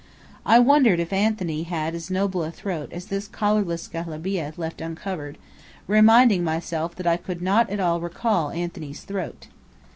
I wondered if Anthony had as noble a throat as this collarless galabeah left uncovered, reminding myself that I could not at all recall Anthony's throat.